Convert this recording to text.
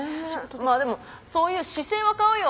まあでもそういう姿勢は買うよ。